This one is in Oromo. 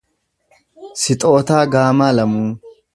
Sixootaa Gaamaa Lamuu